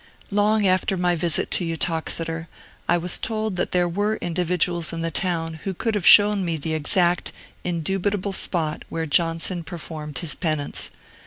Long after my visit to Uttoxeter, I was told that there were individuals in the town who could have shown me the exact, indubitable spot where Johnson performed his penance.